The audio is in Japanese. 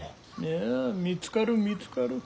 いや見つかる見つかる。